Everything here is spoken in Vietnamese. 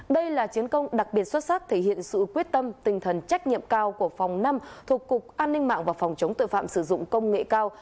đây là chiến công đặc biệt xuất sắc thể hiện sự quyết tâm tinh thần trách nhiệm cao của phòng năm thuộc cục an ninh mạng và phòng chống tội phạm sử dụng công nghệ cao